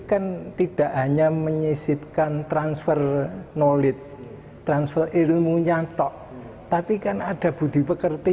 kan tidak hanya menyisitkan transfer knowledge transfer ilmunya tok tapi kan ada budi pekerti